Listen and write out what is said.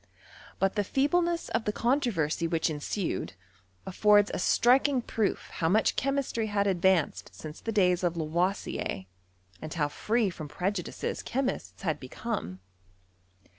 But the • feebleness of the controversy which ensued, afibrde ■ a striking proof how much chemistry had advanced since the days of Lavoisier, and how free from pre ■ judices chemists had become.